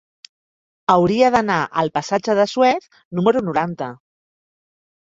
Hauria d'anar al passatge de Suez número noranta.